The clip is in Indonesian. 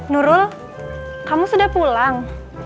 nurul kamu sudah pulang